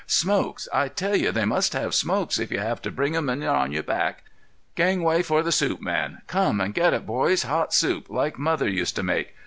Smokes! I tell you they must have smokes if you have to bring 'em in on your back—Gangway for the soup man! Come and get it, boys. Hot soup—like mother used to make.